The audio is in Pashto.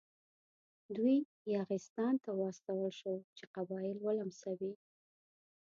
دوی یاغستان ته واستول شول چې قبایل ولمسوي.